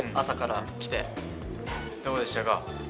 朝から来てどうでしたか？